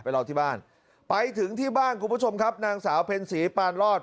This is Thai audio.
รอที่บ้านไปถึงที่บ้านคุณผู้ชมครับนางสาวเพ็ญศรีปานรอด